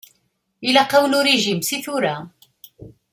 Ilaq-awen urijim seg tura.